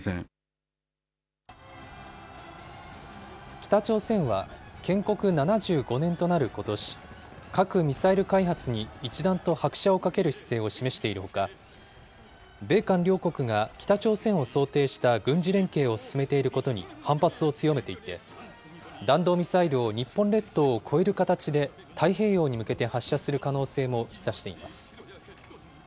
北朝鮮は建国７５年となることし、核・ミサイル開発に一段と拍車をかける姿勢を示しているほか、米韓両国が北朝鮮を想定した軍事連携を進めていることに反発を強めていて、弾道ミサイルを日本列島を越える形で太平洋に向けて発射する可能性も示唆しています。